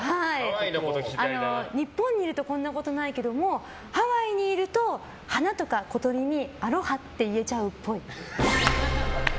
日本にいるとこんなことないけれどもハワイにいると花とか小鳥にアロハって言えちゃうっぽい。